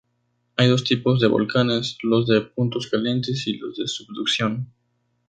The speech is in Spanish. Hay dos tipos de volcanes: los de puntos calientes y los de subducción.